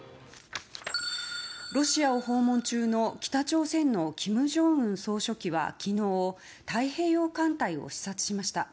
ロシアを訪問中の北朝鮮の金正恩総書記は昨日太平洋艦隊を視察しました。